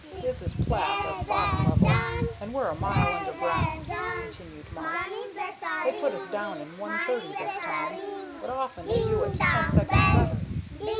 "This is plat of bottom level, and we're a mile underground," continued Mark. "They put us down in one thirty this time, but often they do it ten seconds better."